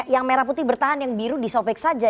yang merah putih bertahan yang biru disobek saja